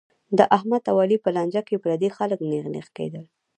د احمد او علي په لانجه کې پردي خلک نېغ نېغ کېدل.